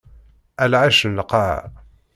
A lɛecc n lqaɛa!